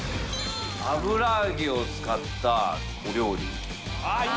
油揚げを使ったお料理。